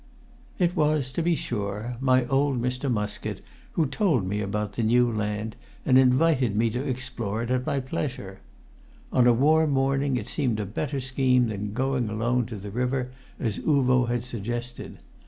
It was, to be sure, my old Mr. Muskett who told me about the new land, and invited me to explore it at my pleasure. On a warm morning it seemed a better scheme than going alone upon the river, as Uvo had suggested.